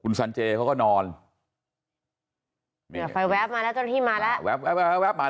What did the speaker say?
คุณซันเจอะเขาก็นอนมา